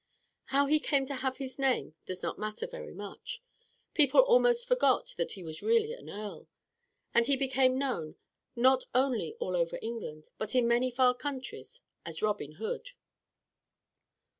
How he came to have his name does not matter very much. People almost forgot that he was really an earl, and he became known, not only all over England, but in many far countries, as Robin Hood.